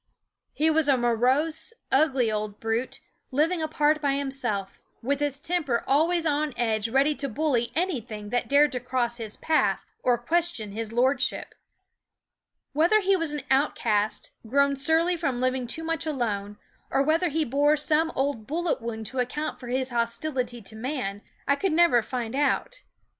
He was a morose, ugly old brute, living apart by himself, with his temper always on edge ready to bully anything that dared to cross his path or question his lord ship. Whether he was an outcast, grown surly from living too much alone, or whether he bore some old bullet wound to account for his hostility to man, I could never find out.